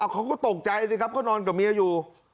เขาก็ตกใจสิครับเขานอนกับเมียอยู่